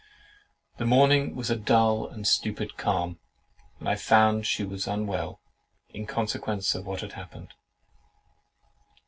The morning was a dull and stupid calm, and I found she was unwell, in consequence of what had happened.